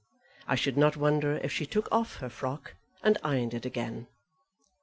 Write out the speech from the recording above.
I should not wonder if she took off her frock and ironed it again.